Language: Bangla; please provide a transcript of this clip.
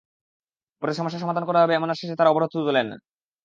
পরে সমস্যা সমাধান করা হবে এমন আশ্বাসে তাঁরা অবরোধ তুলে নেন।